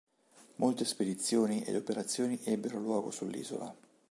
Molte spedizioni ed operazioni ebbero luogo sull'isola.